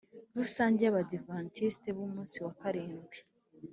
Rusange y Abadiventisiti b Umunsi wa Karindwi